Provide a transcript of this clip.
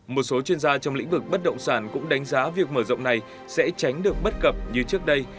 một số chuyên gia trong lĩnh vực bất động sản cũng đánh giá việc mở rộng này sẽ tránh được bất cập như trước đây